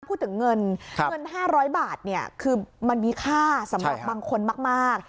พูดถึงเงินเงิน๕๐๐บาทคือมันมีค่าสำหรับบางคนมาก